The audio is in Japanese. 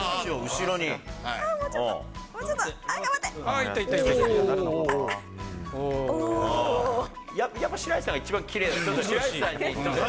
ああ、やっぱ白石さんが一番きれい。